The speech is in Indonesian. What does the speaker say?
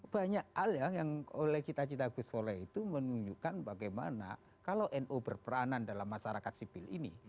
banyak alih yang oleh cita cita gusole itu menunjukkan bagaimana kalau no berperanan dalam masyarakat sipil ini